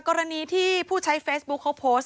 กรณีที่ผู้ใช้เฟซบุ๊คเขาโพสต์